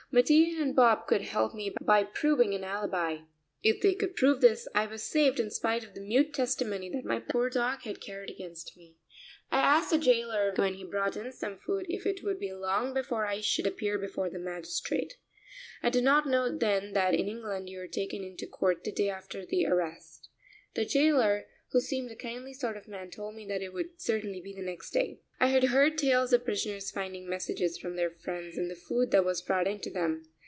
Mattia and Bob could help me by proving an alibi. If they could prove this I was saved in spite of the mute testimony that my poor dog had carried against me. I asked the jailer when he brought in some food if it would be long before I should appear before the magistrate. I did not know then that in England you are taken into court the day after arrest. The jailer, who seemed a kindly sort of man, told me that it would certainly be the next day. I had heard tales of prisoners finding messages from their friends in the food that was brought in to them.